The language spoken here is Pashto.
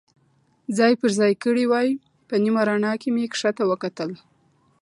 ځای پر ځای کړي وای، په نیمه رڼا کې مې کښته ته وکتل.